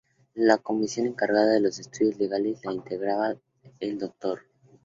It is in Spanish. La Comisión encargada de los Estudios Legales la integraba el Dr.